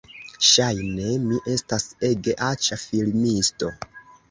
Ŝajne mi estas ege aĉa filmisto